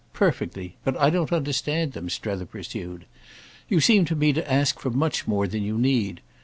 Perfectly. But I don't understand them," Strether pursued. "You seem to me to ask for much more than you need.